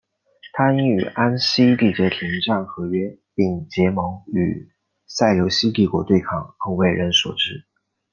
他因与安息缔结停战和约并联盟与塞琉西帝国对抗而为人所知。